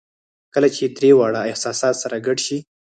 کله چې درې واړه احساسات سره ګډ شي